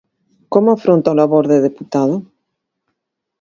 Como afronta o labor de deputado?